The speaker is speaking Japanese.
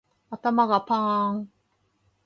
頭がパーン